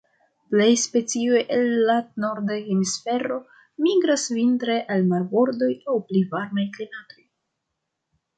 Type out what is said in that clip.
Plej specioj el lat norda hemisfero migras vintre al marbordoj aŭ pli varmaj klimatoj.